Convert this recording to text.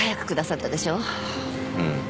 うん。